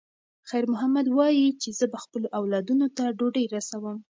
خیر محمد وایي چې زه به خپلو اولادونو ته ډوډۍ رسوم.